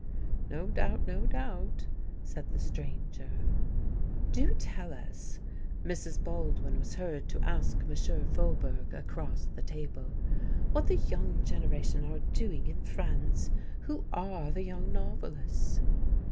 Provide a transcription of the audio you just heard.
"No doubt, no doubt," said the stranger. "Do tell us," Mrs. Baldwin was heard to ask M. Faubourg across the table, "what the young generation are doing in France? Who are the young novelists?"